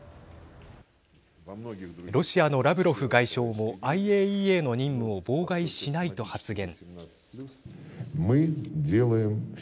ロシアのラブロフ外相もＩＡＥＡの任務を妨害しないと発言。